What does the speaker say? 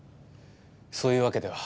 そういうわけでは。